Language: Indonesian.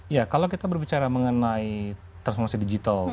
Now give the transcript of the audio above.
ya kalau kita berbicara mengenai transformasi digital